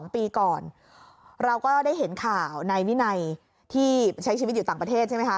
๒ปีก่อนเราก็ได้เห็นข่าวนายวินัยที่ใช้ชีวิตอยู่ต่างประเทศใช่ไหมคะ